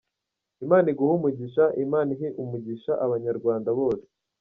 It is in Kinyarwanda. Imana iguhe umugisha, Imana ihe umugisha Abanyarwanda bose.”